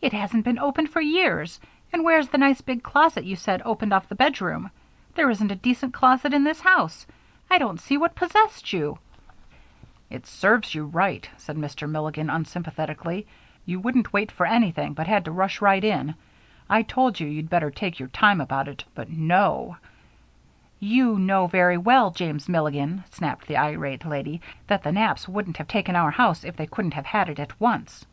"It hasn't been opened for years. And where's the nice big closet you said opened off the bedroom? There isn't a decent closet in this house. I don't see what possessed you " "It serves you right," said Mr. Milligan, unsympathetically. "You wouldn't wait for anything, but had to rush right in. I told you you'd better take your time about it, but no " "You know very well, James Milligan," snapped the irate lady, "that the Knapps wouldn't have taken our house if they couldn't have had it at once."